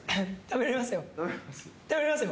食べられますよ。